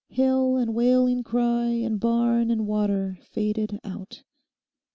Hill and wailing cry and barn and water faded out.